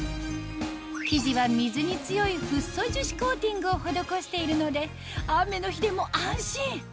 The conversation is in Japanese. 生地は水に強いフッ素樹脂コーティングを施しているので雨の日でも安心